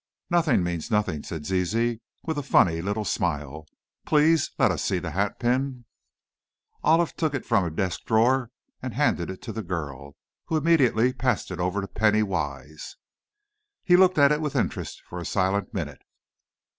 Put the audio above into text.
"Nothing means nothing," said Zizi, with a funny little smile. "Please let us see the hatpin." Olive took it from a desk drawer and handed it to the girl, who immediately passed it over to Penny Wise. He looked at it with interest, for a silent minute.